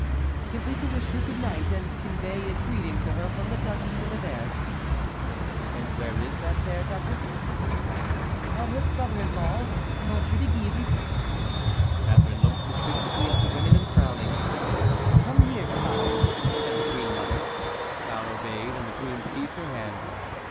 "Simply to wish her good night, and convey a greeting to her from the Duchesse de Nevers." "And where is that fair duchess?" "At her brother in law's, M. de Guise's." Catharine looked suspiciously at the women and frowning: "Come here, Claude," said the queen mother. Claude obeyed, and the queen seized her hand.